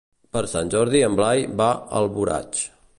Per Sant Jordi en Blai va a Alboraig.